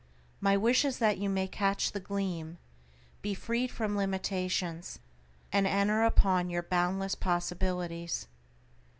My wish is that you may catch the gleam, be freed from limitations and enter upon your boundless possibilities.